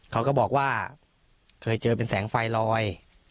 เขาก็บอกว่าเคยเจอเป็นแสงไฟลอย